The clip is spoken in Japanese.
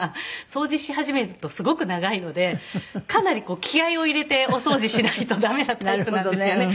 掃除し始めるとすごく長いのでかなり気合を入れてお掃除しないと駄目なタイプなんですよね。